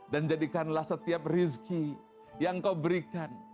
dan jadikanlah setiap rizki yang kau berikan